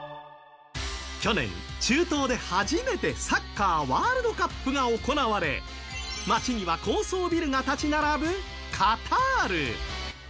去年、中東で初めてサッカーワールドカップが行われ街には高層ビルが立ち並ぶカタール。